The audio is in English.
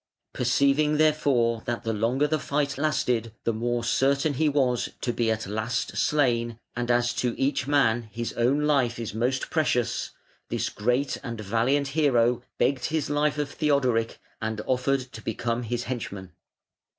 Perceiving, therefore, that the longer the fight lasted the more certain he was to be at last slain, and as to each man his own life is most precious, this great and valiant hero begged his life of Theodoric, and offered to become his henchman.